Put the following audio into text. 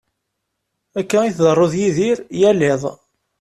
Akka i tḍeru d Yidir yal iḍ.